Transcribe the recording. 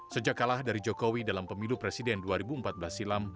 sejak kalah dari jokowi dalam pemilu presiden dua ribu empat belas silam